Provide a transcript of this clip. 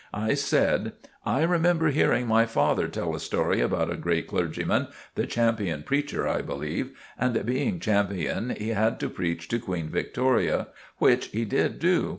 I said— "I remember hearing my father tell a story about a great clergyman—the champion preacher, I believe—and being champion he had to preach to Queen Victoria, which he did do.